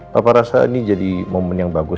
papa rasa ini jadi momen yang bagus